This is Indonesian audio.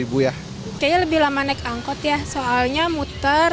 kayaknya lebih lama naik angkot ya soalnya muter